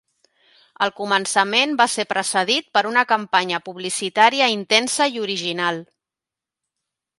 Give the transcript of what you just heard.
El començament va ser precedit per una campanya publicitària intensa i original.